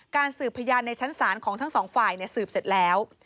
สืบพยานในชั้นศาลของทั้งสองฝ่ายสืบเสร็จแล้ว